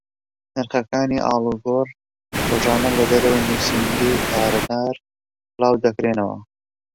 نرخەکانی ئاڵوگۆڕ ڕۆژانە لە دەرەوەی نووسینگەی پارەدار بڵاو دەکرێنەوە.